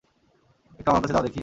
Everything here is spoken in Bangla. একটু আমার কাছে দাও দেখি।